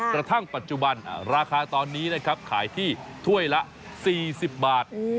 กระทั่งปัจจุบันราคาตอนนี้นะครับขายที่ถ้วยละ๔๐บาท